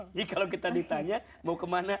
jadi kalau kita ditanya mau kemana